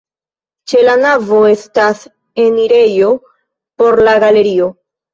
Ĉe la navo estas enirejo por la galerio.